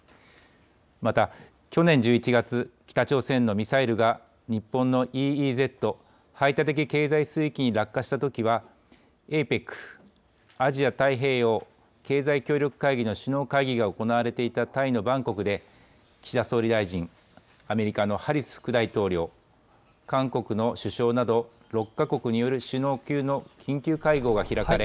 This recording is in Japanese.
また、去年１１月、北朝鮮のミサイルが日本のＥＥＺ・排他的経済水域に落下したときは、ＡＰＥＣ・アジア太平洋経済協力会議の首脳会議が行われていたタイのバンコクで、岸田総理大臣、アメリカのハリス副大統領、韓国の首相など、６か国による首脳級の緊急会合が開かれ。